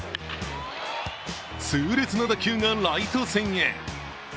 痛烈な打球がライト線へ。